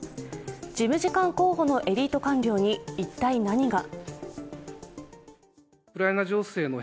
事務次官候補のエリート官僚に一体何が。